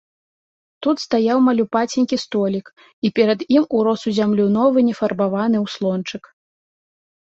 Тут стаяў малюпаценькі столік, і перад ім урос у зямлю новы нефарбаваны ўслончык.